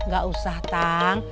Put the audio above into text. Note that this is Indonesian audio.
gak usah tang